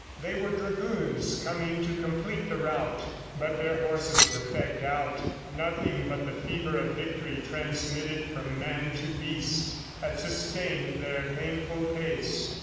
They were dragoons coming to complete the rout. But their horses were fagged out; nothing but the fever of victory transmitted from man to beast had sustained their painful pace.